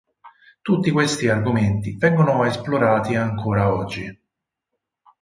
Tutti questi argomenti vengono esplorati ancor oggi.